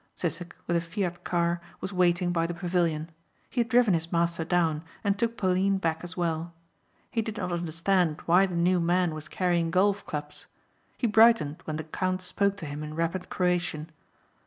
Sissek with a Fiat car was waiting by the pavilion. He had driven his master down and took Pauline back as well. He did not understand why the new man was carrying golf clubs. He brightened when the count spoke to him in rapid Croatian.